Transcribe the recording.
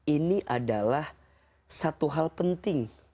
ini adalah satu hal penting